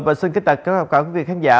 và xin kính tạm cảm ơn quý vị khán giả